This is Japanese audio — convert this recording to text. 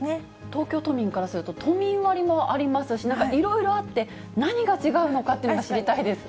東京都民からすると、都民割もありますし、なんかいろいろあって、何が違うのかっていうのが知りたいです。